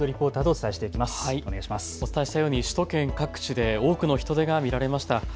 お伝えしたように首都圏各地で多くの人出が見られました。